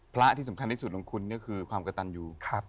พระที่สำคัญที่สุดของคุณก็คือความกระตันอยู่